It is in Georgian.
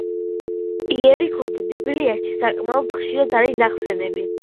იერიქონი ბიბლიაში საკმაოდ ხშირად არის ნახსენები.